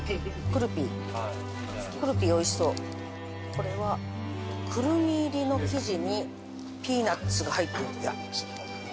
これはクルミ入りの生地にピーナツが入ってる。